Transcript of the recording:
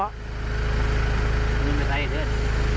อันนี้ไม่ใช่เลย